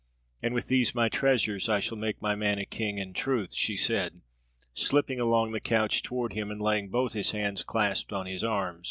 "And with these my treasures, I shall make my man a king in truth," she said, slipping along the couch toward him and laying both hands clasped on his arm.